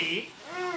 うん。